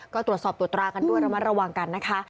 ก็ตรวจสอบตรวจตรากันด้วยระมัดระวังกันนะคะ